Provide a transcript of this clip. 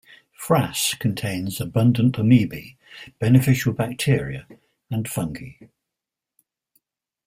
Frass contains abundant amoebae, beneficial bacteria, and fungi.